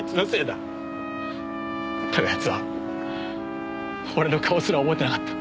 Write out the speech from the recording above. だが奴は俺の顔すら覚えてなかった。